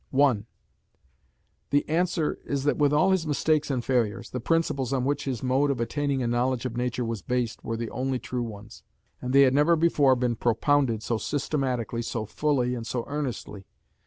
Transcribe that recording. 1. The answer is that with all his mistakes and failures, the principles on which his mode of attaining a knowledge of nature was based were the only true ones; and they had never before been propounded so systematically, so fully, and so earnestly.